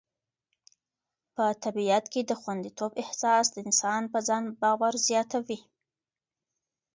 په طبیعت کې د خوندیتوب احساس د انسان په ځان باور زیاتوي.